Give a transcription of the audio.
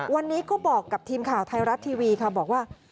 วันนี้ก็บอกกับทีมข่าวไทยรัฐทีวีค่ะบอกว่า